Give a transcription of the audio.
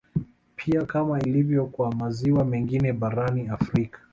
Pia kama ilivyo kwa maziwa mengine barani Afrika